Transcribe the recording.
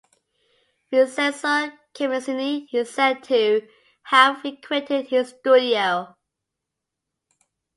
Vincenzo Camuccini is said to have frequented his studio.